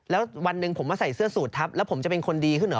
แล้ววันหนึ่งผมมาใส่เสื้อสูตรทัพแล้วผมจะเป็นคนดีขึ้นเหรอ